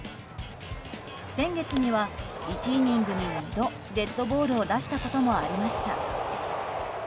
先月には１イニングに２度デッドボールを出したこともありました。